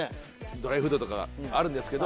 ドライフードとかがあるんですけど。